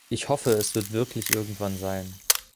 Ich hoffe es wird wirklich irgendwann sein.